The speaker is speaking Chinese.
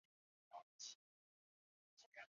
性情温和。